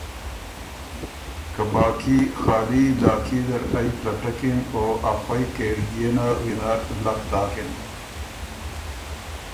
که باقي خالی علاقي زر ائ پلټکِن او ا خوئ کېژدئے نه وینر لک داکِن۔